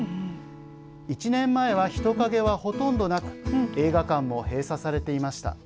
１年前は人影はほとんどなく映画館も閉鎖されていました。